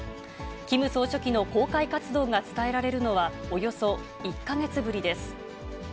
キム総書記の公開活動が伝えられるのは、およそ１か月ぶりです。